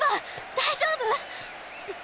大丈夫？